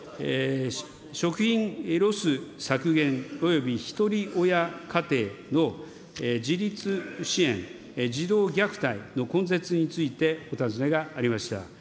食品ロス削減およびひとり親家庭の自立支援、児童虐待の根絶についてお尋ねがありました。